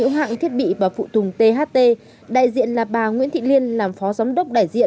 hãng thiết bị và phụ tùng tht đại diện là bà nguyễn thị liên làm phó giám đốc đại diện